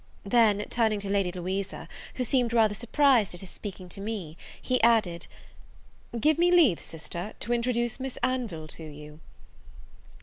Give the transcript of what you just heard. Then, turning to Lady Louisa, who seemed rather surprised at his speaking to me, he added, "Give me leave, sister, to introduce Miss Anville to you."